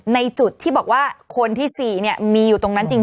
ในจุดที่บอกว่าคนที่๔มีอยู่ตรงนั้นจริง